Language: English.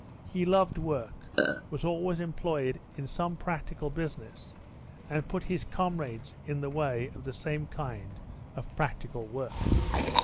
He loved work, was always employed in some practical business, and put his comrades in the way of the same kind of practical work.